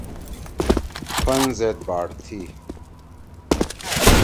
پن زید باٹ تھی۔